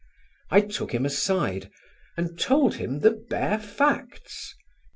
I took him aside and told him the bare facts.